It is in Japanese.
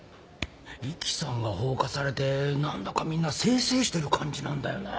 壱岐さんが放火されてなんだかみんな清々してる感じなんだよな。